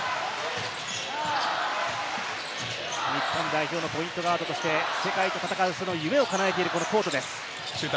日本代表のポイントガードとして、世界と戦う夢を叶えているコートです。